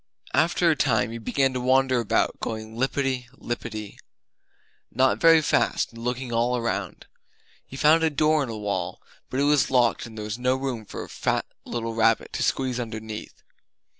After a time he began to wander about, going lippity lippity not very fast and looking all around. He found a door in a wall; but it was locked and there was no room for a fat little rabbit to squeeze underneath.